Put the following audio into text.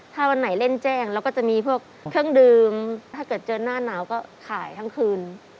ถ้าวันไหนเล่นแจ้งเราก็จะมีพวกเครื่องดื่มถ้าเกิดเจอหน้าหนาวก็ขายทั้งคืน